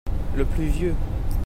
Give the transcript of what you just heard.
Le plus vieux.